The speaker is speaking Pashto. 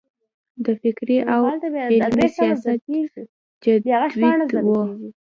د فکري او عملي سیاست جدوجهد و.